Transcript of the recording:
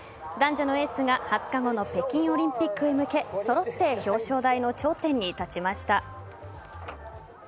男女のエースが２０日後の北京オリンピックへ向け揃って表彰台の頂点に立ちました。